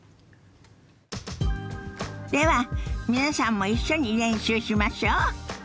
では皆さんも一緒に練習しましょ。